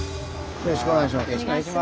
よろしくお願いします。